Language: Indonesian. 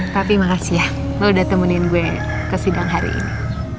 tapi makasih ya lo udah temunin gue ke sidang hari ini